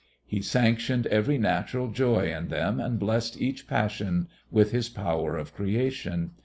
He sanctioned every natural joy in them and blessed each passion with his power of creation....